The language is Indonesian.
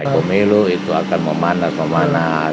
pemilu itu akan memanas memanas